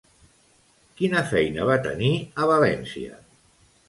Quina feina va tenir a València?